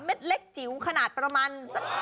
เล็กจิ๋วขนาดประมาณ